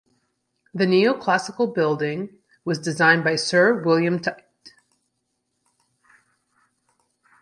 The neo-classical building was designed by Sir William Tite.